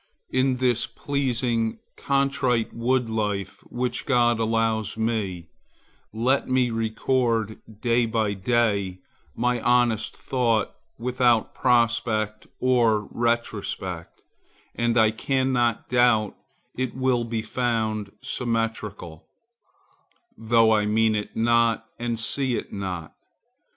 In this pleasing contrite wood life which God allows me, let me record day by day my honest thought without prospect or retrospect, and, I cannot doubt, it will be found symmetrical, though I mean it not and see it not.